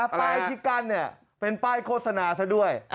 ป้ายที่กั้นเป็นป้ายโฆษณาซะด้วย